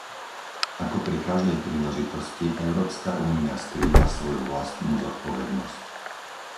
Ako pri každej príležitosti, Európska únia skrýva svoju vlastnú zodpovednosť.